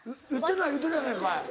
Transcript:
言うてるやないかい。